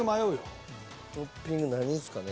トッピング何ですかね？